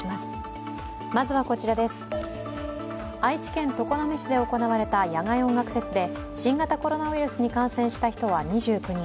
愛知県常滑市で行われた野外音楽フェスで新型コロナウイルスに感染した人は２９人。